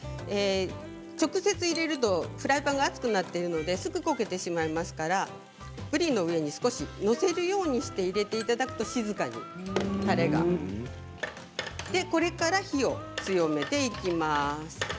直接入れるとフライパンが熱くなっているのですぐに焦げてしまいますからぶりの上に少し載せるようにして入れていただくと静かにこれから火を強めていきます。